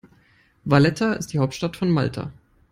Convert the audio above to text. Valletta ist die Hauptstadt von Malta.